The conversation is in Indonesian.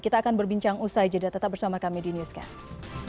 kita akan berbincang usai jeda tetap bersama kami di newscast